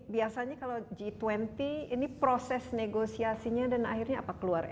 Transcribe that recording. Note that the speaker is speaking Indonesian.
biasanya kalau g dua puluh ini proses negosiasinya dan akhirnya apa keluarnya